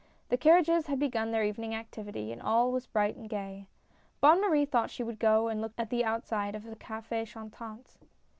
The carriages had begun their evening activity, and all was bright and gay. Bonne Marie thought she would go and look at the outside of the CafS Chantant.